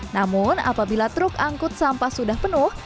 namun apabila truk angkut sampah sudah penuh